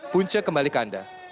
punca kembali ke anda